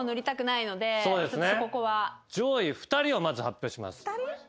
上位２人をまず発表します。